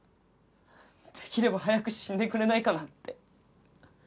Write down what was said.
できれば早く死んでくれないかなって。